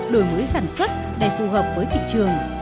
đổi mới sản xuất để phù hợp với thị trường